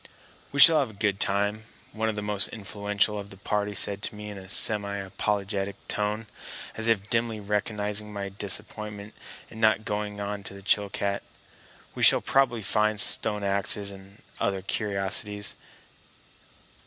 "We shall have a good time," one of the most influential of the party said to me in a semi apologetic tone, as if dimly recognizing my disappointment in not going on to Chilcat. "We shall probably find stone axes and other curiosities.